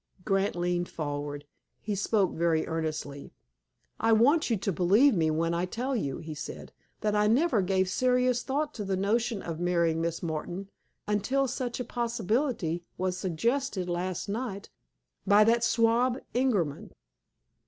Grant leaned forward. He spoke very earnestly. "I want you to believe me when I tell you," he said, "that I never gave serious thought to the notion of marrying Miss Martin until such a possibility was suggested last night by that swab, Ingerman."